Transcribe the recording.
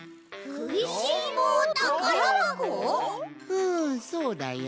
うんそうだよ。